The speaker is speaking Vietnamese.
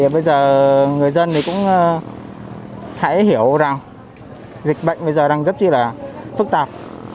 bây giờ người dân cũng hãy hiểu rằng dịch bệnh bây giờ rất là phức tạp